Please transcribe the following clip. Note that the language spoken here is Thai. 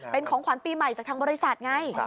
เป็นของขวัญปีใหม่จากทางบริษัทไง